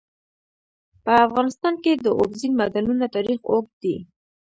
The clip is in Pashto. په افغانستان کې د اوبزین معدنونه تاریخ اوږد دی.